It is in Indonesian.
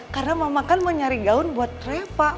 karena mama kan mau nyari gaun buat trepa